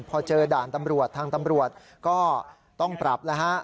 พอเจอด่านตำรวจทางตำรวจก็ต้องปรับแล้วฮะ